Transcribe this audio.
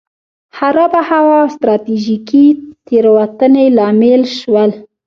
خرابه هوا او ستراتیژیکې تېروتنې لامل شول.